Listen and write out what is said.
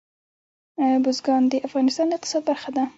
بزګان د افغانستان د اقتصاد برخه ده.